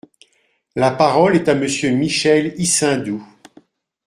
La parole est à Monsieur Michel Issindou.